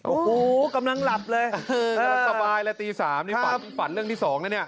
โอ้โหกำลังหลับเลยสบายแล้วตีสามนี่ฝันฝันเรื่องที่สองแล้วเนี้ย